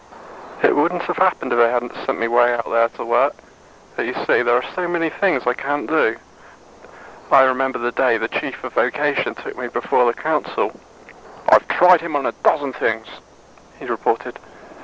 It wouldn't have happened, if they hadn't sent me way out there to work. But, you see, there are so many things I can't do. I remember the day the Chief of Vocation took me before the council. "I've tried him on a dozen things," he reported.